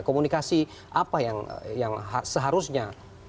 komunikasi apa yang seharusnya